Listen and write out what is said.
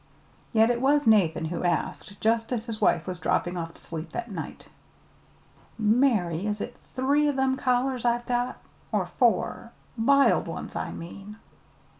Yet it was Nathan who asked, just as his wife was dropping off to sleep that night: "Mary, is it three o' them collars I've got, or four? b'iled ones, I mean."